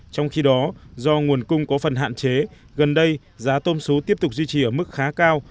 trong khi đó do nguồn cung có phần hạn chế gần đây giá tôm xú tiếp tục duy trì ở mức khá cao